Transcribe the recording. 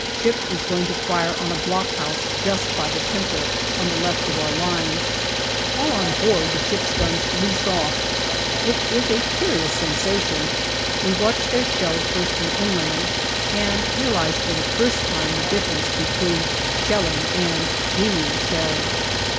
ship is going to fire on a blockhouse just by the Pimple, on the left of our line. While on board, the ship's guns " loose " off. It is a curious sensation. We watch their shells bursting inland, and realize for the first time the difference between shelling and being shelled.